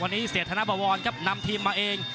วันนี้เสียธนบวรครับนำทีมมาเอง